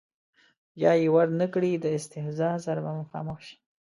یا یې ور نه کړي د استیضاح سره به مخامخ شي.